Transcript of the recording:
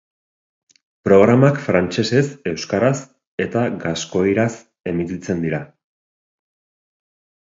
Programak frantsesez, euskaraz eta gaskoiaraz emititzen dira.